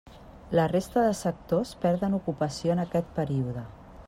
La resta de sectors perden ocupació en aquest període.